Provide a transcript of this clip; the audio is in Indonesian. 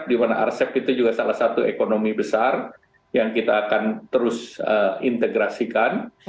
dimana arsep itu juga salah satu ekonomi besar yang kita akan terus integrasikan